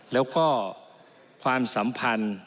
แล้วก็ความสัมพันธ์